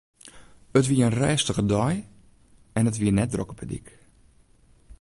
It wie in rêstige dei en it wie net drok op 'e dyk.